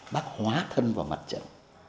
bác hóa thân vào mặt trận